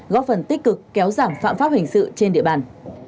góp phần tích cực kéo giảm phạm pháp hình sự trên địa bàn